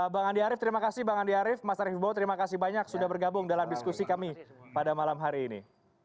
bang andi arief terima kasih bang andi arief mas arief ibo terima kasih banyak sudah bergabung dalam diskusi kami pada malam hari ini